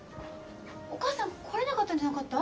お母さん来れなかったんじゃなかった？